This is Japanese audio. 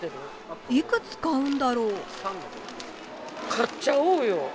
買っちゃおうよ！